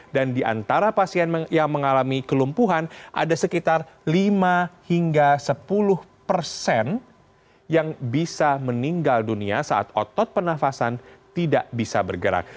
dan di antara pasien yang mengalami kelumpuhan ada sekitar lima hingga sepuluh persen yang bisa meninggal dunia saat otot penafasan tidak bisa bergerak